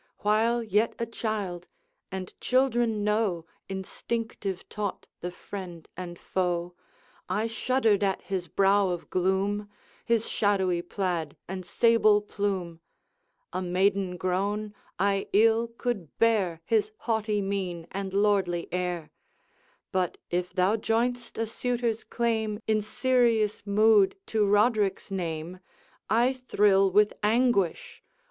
While yet a child, and children know, Instinctive taught, the friend and foe, I shuddered at his brow of gloom, His shadowy plaid and sable plume; A maiden grown, I ill could bear His haughty mien and lordly air: But, if thou join'st a suitor's claim, In serious mood, to Roderick's name. I thrill with anguish!